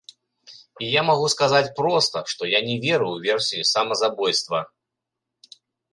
І я магу сказаць проста, што я не веру ў версію самазабойства.